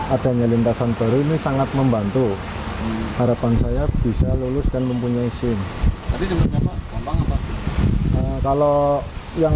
adanya lintasan baru ini sangat membantu harapan saya bisa lulus dan mempunyai sim tadi kalau yang